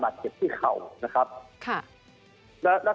ักเขียนแค่